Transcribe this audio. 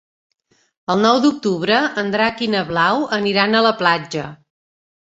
El nou d'octubre en Drac i na Blau aniran a la platja.